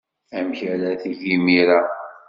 Amek ara teg imir-a?